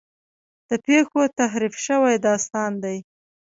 د پېښو تحریف شوی داستان دی.